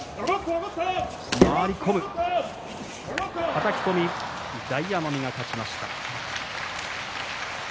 はたき込み、大奄美が勝ちました。